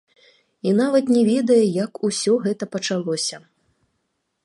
І нават не ведае, як усё гэта пачалося.